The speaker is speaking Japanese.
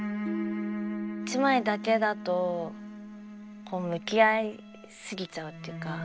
一枚だけだとこう向き合い過ぎちゃうっていうか。